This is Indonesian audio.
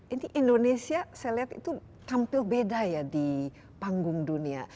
ini indonesia saya lihat itu tampil beda ya di panggung dunia